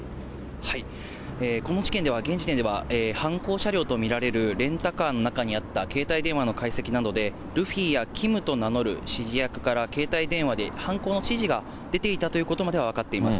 この事件では、現時点では、犯行車両と見られるレンタカーの中にあった携帯電話の解析などで、ルフィやキムと名乗る指示役から携帯電話で犯行の指示が出ていたということまでは分かっています。